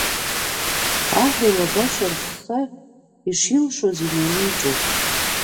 Аҳ илабашьа рыхха ишилшоз илымҩаниҵеит.